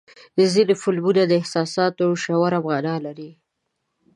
ځینې فلمونه د احساساتو ژوره معنا لري.